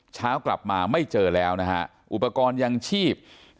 เช้ากลับมาไม่เจอแล้วนะฮะอุปกรณ์ยังชีพ